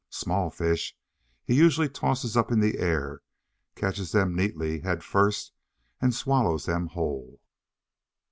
Small fish he usually tosses up in the air, catches them neatly head first, and swallows them whole.